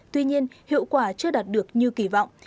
tuy nhiên hiệu quả chưa đạt được như kỳ vọng